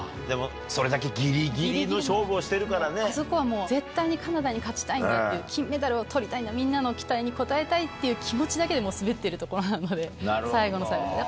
でもそれだけぎりぎりの勝負あそこはもう絶対にカナダに勝ちたいんだっていう、金メダルをとりたいんだ、みんなの期待に応えたいっていう気持ちだけでもう滑ってるところなので、最後の最後。